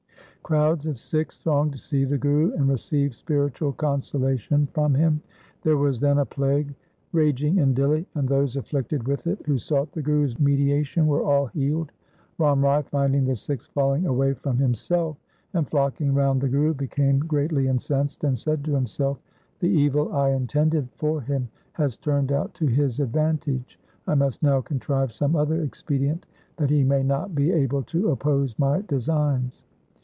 Crowds of Sikhs thronged to see the Guru and receive spiritual consolation from him. There was then a plague raging in Dihli, and those afflicted with it, who sought the Guru's mediation, were all healed. Ram Rai finding the Sikhs falling away from himself, and flocking round the Guru, became greatly incensed and said to himself, ' The evil I intended for him has turned out to his advantage. I must now contrive some other expedient that he may not be able to oppose my designs.'